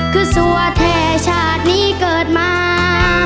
คือสัวแท้ชาตินี้เกิดมา